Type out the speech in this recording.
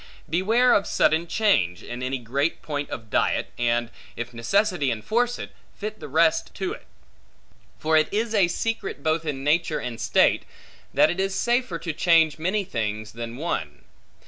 Beware of sudden change, in any great point of diet, and, if necessity enforce it, fit the rest to it. For it is a secret both in nature and state, that it is safer to change many things, than one.